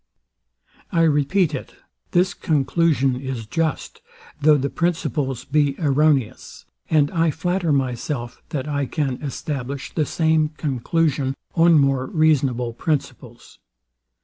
I repeat it: This conclusion is just, though the principles be erroneous; and I flatter myself, that I can establish the same conclusion on more reasonable principles.